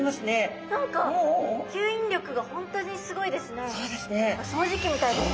何か吸引力が本当にすごいですね。